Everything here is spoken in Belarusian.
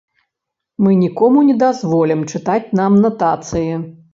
Мы нікому не дазволім чытаць нам натацыі.